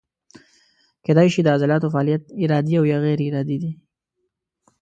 کیدای شي د عضلاتو فعالیت ارادي او یا غیر ارادي وي.